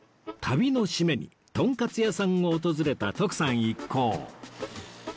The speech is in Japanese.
旅の締めにとんかつ屋さんを訪れた徳さん一行